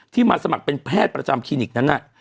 มาสมัครเป็นแพทย์ประจำคลินิกนั้นน่ะ